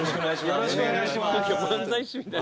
よろしくお願いします。